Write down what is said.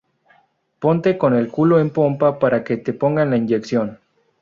Ponte con el culo en pompa para que te pongan la inyección